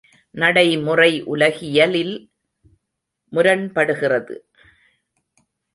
நடைமுறை உலகியலில் முரண்படுகிறது.